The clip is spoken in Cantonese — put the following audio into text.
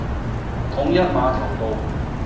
統一碼頭道